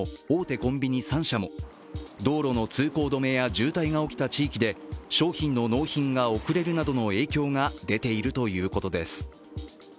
コンビニ３社も道路の通行止めや渋滞が起きた地域で商品の納品が遅れるなどの影響が出ているということです。